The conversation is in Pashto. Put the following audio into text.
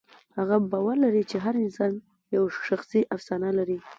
هغه باور لري چې هر انسان یوه شخصي افسانه لري.